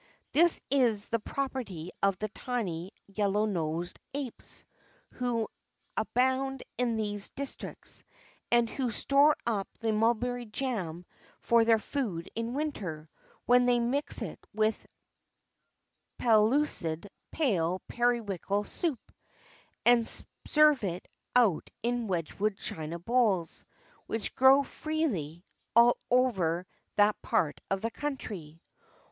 This is the property of the tiny, yellow nosed apes who abound in these districts, and who store up the mulberry jam for their food in winter, when they mix it with pellucid pale periwinkle soup, and serve it out in Wedgwood china bowls, which grow freely all over that part of the country.